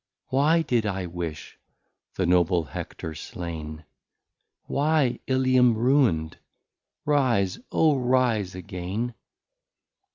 Why did I wish the Noble Hector Slain? Why Ilium ruin'd? Rise, O rise again!